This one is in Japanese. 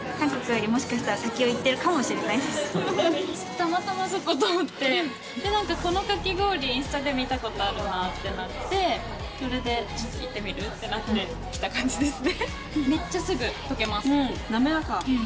たまたま、そこを通ってこのかき氷、インスタで見たことあるなってなってそれで、行ってみる？ってなって来た感じですね。